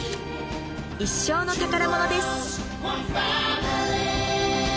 一生の宝物です